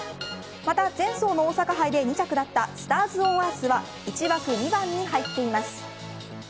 また前走の大阪杯で２着だったスターズオンアースは１枠２番に入っています。